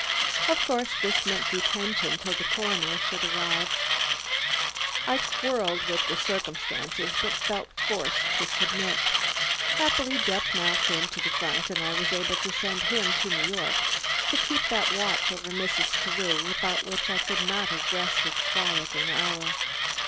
Of course this meant detention till the coroner should arrive. I quarreled with the circumstances but felt forced to submit. Happily Jupp now came to the front and I was able to send him to New York to keep that watch over Mrs. Carew, without which I could not have rested quiet an hour.